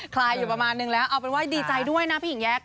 คลายอยู่ประมาณนึงแล้วเอาเป็นว่าดีใจด้วยนะพี่หญิงแย้